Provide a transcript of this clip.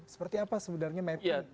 seperti apa sebenarnya metin